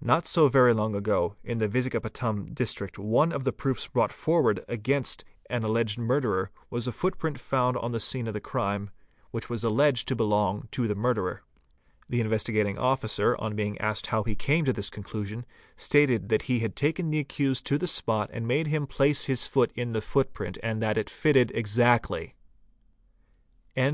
Not so very long ago in the Vizagapatam District one of the proofs brought forward against an alleged murderer was a footprint found on the scene of the crime, which was alleged to belong to the murderer. The Investigating Officer, on being asked how he came to this conclusion, stated that he had taken the accused » to the spot and made him place lis foot ir the footprint and that it fitted exactly !) E.